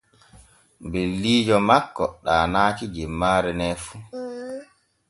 Beldiijo makko ɗaanaaki jemmaare ne fu.